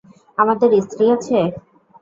আমাদের স্ত্রী আছে?